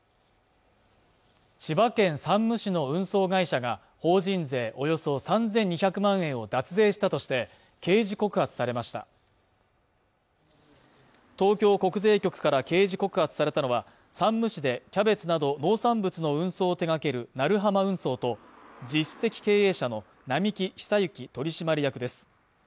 千葉県山武市の運送会社が法人税およそ３２００万円を脱税したとして刑事告発されました東京国税局から刑事告発されたのは山武市でキャベツなど農産物の運送を手掛ける鳴浜運送と実質的経営者の並木久幸取締役です